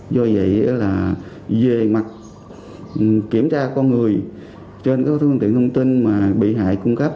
do vậy về mặt kiểm tra con người trên các thương tiện thông tin bị hại cung cấp